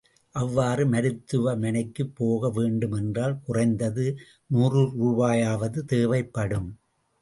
அவ்வாறு மருத்துவ மனைக்குப் போக வேண்டும் என்றால், குறைந்தது நூறு ரூபாயாவது தேவைப்படும்.